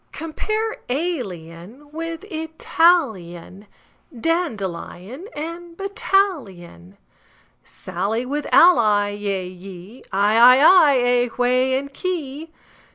Compare alien with Italian, Dandelion with battalion, Sally with ally; yea, ye, Eye, I, ay, aye, whey, key, quay!